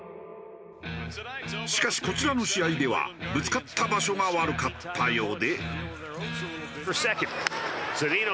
しかしこちらの試合ではぶつかった場所が悪かったようで。